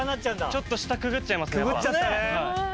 ちょっと下くぐっちゃいますね。